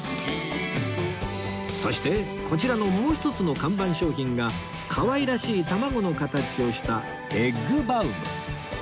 そしてこちらのもう一つの看板商品がかわいらしい卵の形をしたエッグバウム